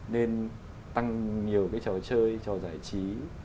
nên tăng nhiều cái trò chơi trò giải trí